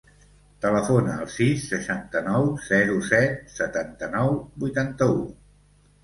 Telefona al sis, seixanta-nou, zero, set, setanta-nou, vuitanta-u.